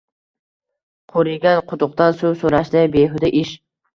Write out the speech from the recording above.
Qurigan quduqdan suv soʻrashday behuda ish